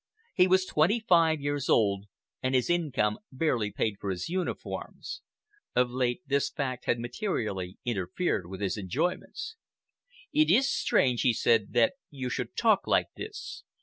He was twenty five years old, and his income barely paid for his uniforms. Of late, this fact had materially interfered with his enjoyments. "It is strange," he said, "that you should talk like this.